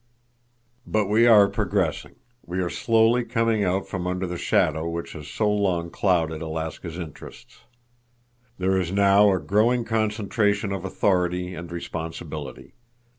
"But we are progressing. We are slowly coming out from under the shadow which has so long clouded Alaska's interests. There is now a growing concentration of authority and responsibility.